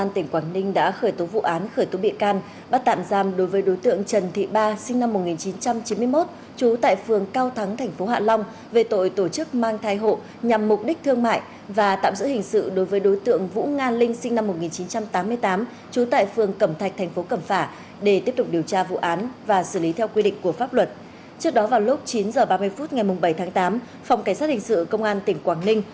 trước đó vào lúc chín h ba mươi phút ngày bảy tháng tám phòng cảnh sát hình sự công an tỉnh quảng ninh